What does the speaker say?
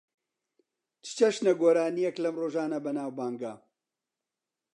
چ چەشنە گۆرانییەک لەم ڕۆژانە بەناوبانگە؟